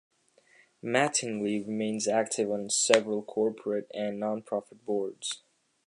Mattingly remains active on several corporate and nonprofit boards.